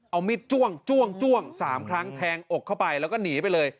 เอามีดจ้วงจ้วง๓ครั้งแทงอกเข้าไปแล้วก็หนีไปเลย